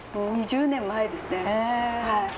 ２０年前ですね。